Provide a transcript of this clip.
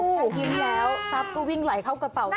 โอ้โหยิ้มแล้วทรัพย์ก็วิ่งไหลเข้ากระเป๋า